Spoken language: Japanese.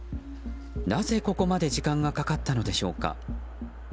なぜここまで時間がかかったのでしょうか。